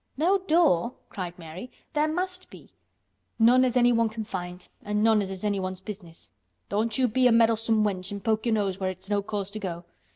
"No door!" cried Mary. "There must be." "None as anyone can find, an' none as is anyone's business. Don't you be a meddlesome wench an' poke your nose where it's no cause to go.